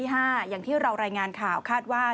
ฟังรายงานข่าวอยู่ตลอด